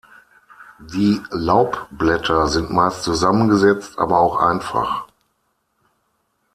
Die Laubblätter sind meist zusammengesetzt, aber auch einfach.